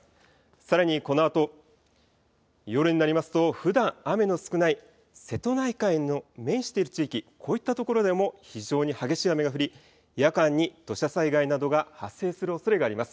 さらにこのあと、夜になりますとふだん雨の少ない瀬戸内海に面している地域、こういったところでも非常に激しい雨が降り、夜間に土砂災害などが発生するおそれがあります。